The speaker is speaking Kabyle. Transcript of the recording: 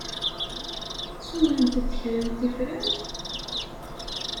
Ssumrent-d kra n tifrat?